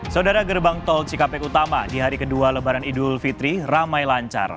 saudara gerbang tol cikampek utama di hari kedua lebaran idul fitri ramai lancar